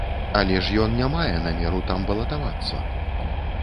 Але ж ён не мае намеру там балатавацца!